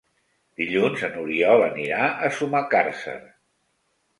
Dilluns n'Oriol anirà a Sumacàrcer.